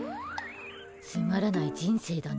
つまらない人生だな。